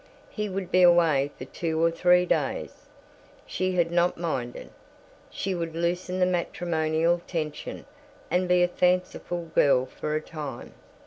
He would be away for two or three days. She had not minded; she would loosen the matrimonial tension and be a fanciful girl for a time.